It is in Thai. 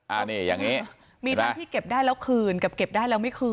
อันนี้อย่างนี้มีทั้งที่เก็บได้แล้วคืนกับเก็บได้แล้วไม่คืน